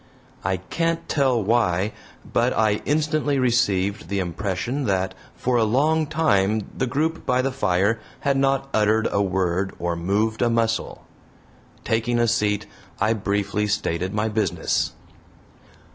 I can't tell why, but I instantly received the impression that for a long time the group by the fire had not uttered a word or moved a muscle. Taking a seat, I briefly stated my business.